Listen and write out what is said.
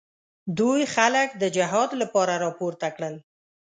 دوی خلک د جهاد لپاره راپورته کړل.